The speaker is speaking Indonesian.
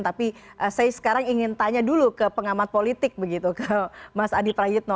tapi saya sekarang ingin tanya dulu ke pengamat politik begitu ke mas adi prayitno